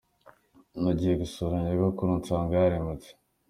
Nagiye gusura nyogokuru nsanga yarimutse.